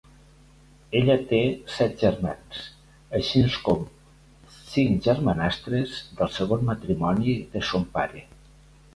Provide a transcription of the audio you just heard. Ella té set germans, així com cinc germanastres del segon matrimoni de son pare.